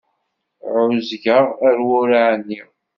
Ɛuẓẓgeɣ, ar wur ɛniɣ.